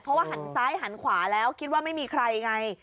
เพราะว่าหันซ้ายหันขวาแล้วคิดว่าไม่มีใครไง